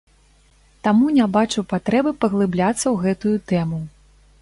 Таму не бачу патрэбы паглыбляцца ў гэтую тэму.